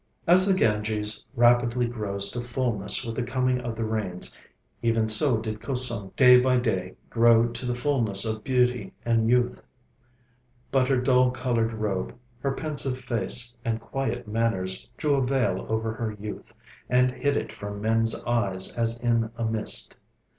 As the Ganges rapidly grows to fulness with the coming of the rains, even so did Kusum day by day grow to the fulness of beauty and youth. But her dull coloured robe, her pensive face, and quiet manners drew a veil over her youth, and hid it from men's eyes as in a mist.